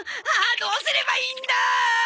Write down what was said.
ああどうすればいいんだ！